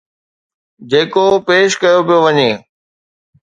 جيڪو پيش ڪيو پيو وڃي